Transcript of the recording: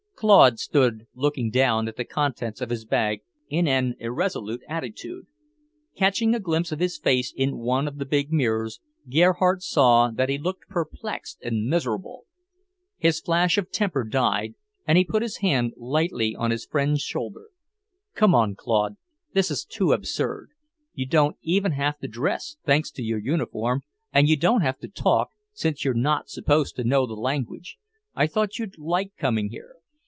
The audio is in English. Claude stood looking down at the contents of his bag in an irresolute attitude. Catching a glimpse of his face in one of the big mirrors, Gerhardt saw that he looked perplexed and miserable. His flash of temper died, and he put his hand lightly on his friend's shoulder. "Come on, Claude! This is too absurd. You don't even have to dress, thanks to your uniform, and you don't have to talk, since you're not supposed to know the language. I thought you'd like coming here.